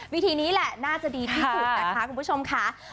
วิธีนี้แหละน่าจะดีที่สุดนะคะคุณผู้ชมค่ะ